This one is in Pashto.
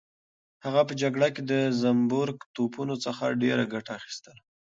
هغه په جګړه کې د زنبورک توپونو څخه ډېره ګټه اخیستله.